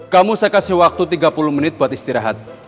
kamu saya kasih waktu tiga puluh menit buat istirahat